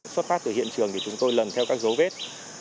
xuất phát từ hiện trường thì chúng tôi lần theo các dấu vết